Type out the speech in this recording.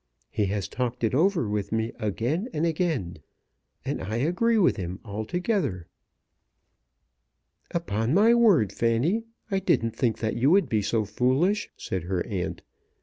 He has talked it over with me again and again, and I agree with him altogether." "Upon my word, Fanny, I didn't think that you would be so foolish," said her aunt.